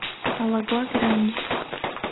Alagoa Grande